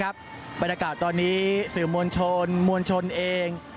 บรรยากาศตอนนี้สื่อมวลชนมวลชนเอง